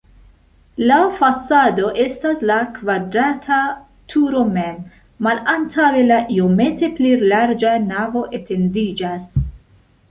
La fasado estas la kvadrata turo mem, malantaŭe la iomete pli larĝa navo etendiĝas.